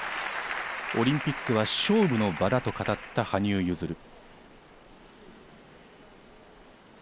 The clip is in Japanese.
オリンピックは勝負の場だと語った羽生結弦。